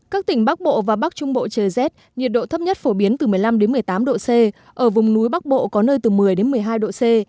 các tỉnh bắc bộ và bắc trung bộ trời rét nhiệt độ thấp nhất phổ biến từ một mươi năm một mươi tám độ c ở vùng núi bắc bộ có nơi từ một mươi một mươi hai độ c